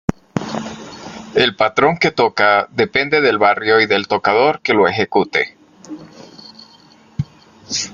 El patrón que toca depende del barrio y del tocador que lo ejecute.